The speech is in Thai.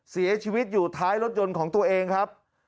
เสียชีวิตอยู่ท้ายรถยนต์ของตัวเองครับ